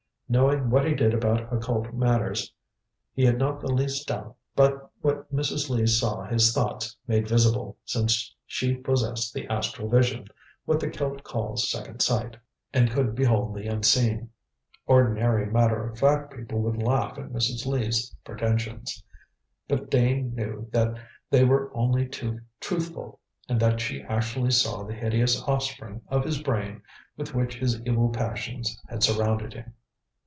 Knowing what he did about occult matters, he had not the least doubt but what Mrs. Lee saw his thoughts made visible, since she possessed the astral vision what the Celt calls "second sight" and could behold the Unseen. Ordinary matter of fact people would laugh at Mrs. Lee's pretensions, but Dane knew that they were only too truthful, and that she actually saw the hideous offspring of his brain with which his evil passions had surrounded him.